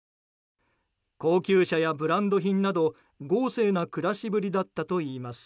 高級車やブランド品など豪勢な暮らしぶりだったといいます。